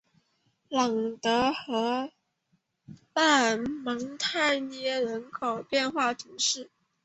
朗德洛河畔蒙泰涅人口变化图示